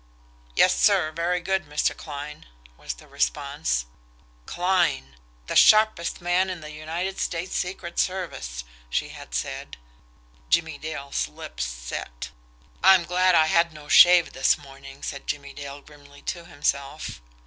"Yes, sir! Very good, Mr. Kline," was the response. Kline! the sharpest man in the United States secret service, she had said. Jimmie Dale's lips set. "I'm glad I had no shave this morning," said Jimmie Dale grimly to himself.